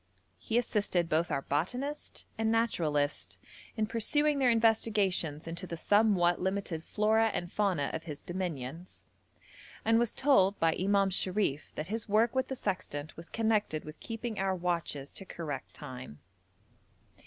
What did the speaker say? He assisted both our botanist and naturalist in pursuing their investigations into the somewhat limited flora and fauna of his dominions, and was told by Imam Sharif that his work with the sextant was connected with keeping our watches to correct time.